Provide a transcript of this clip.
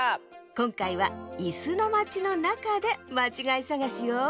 こんかいはいすのまちのなかでまちがいさがしよ。